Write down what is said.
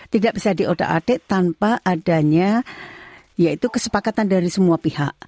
tidak bisa diodak adek tanpa adanya yaitu kesepakatan dari semua pihak